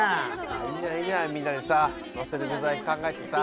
いいじゃないいいじゃないみんなでさのせる具材考えてさ。